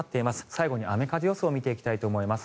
最後に雨風予想を見ていきたいと思います。